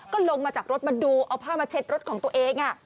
ก็ลงมาจากรถมาดูเอาผ้ามาเช็ดรถของตัวเอง